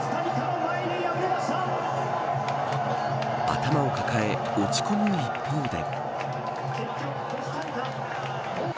頭を抱え落ち込む一方で。